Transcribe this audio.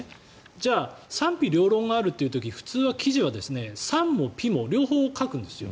じゃあ賛否両論があるという時普通、記事は賛も否も両方書くんですよ。